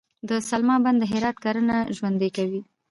د سلما بند د هرات کرنه ژوندي کوي